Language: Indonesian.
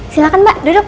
silahkan mbak duduk